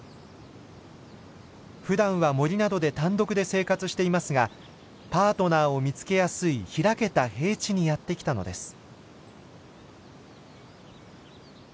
ふだんは森などで単独で生活していますがパートナーを見つけやすい開けた平地にやって来たのです。